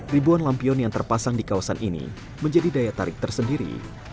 ribuan lampion yang terpasang di kawasan ini menjadi daya tarik tersendiri